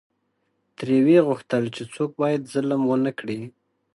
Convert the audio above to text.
ترې وې غوښتل چې باید څوک ظلم ونکړي.